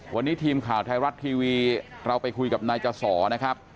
วันนี้ทีมข่าวไทยรัฐทีวีเราไปคุยกับนายจสอนะครับ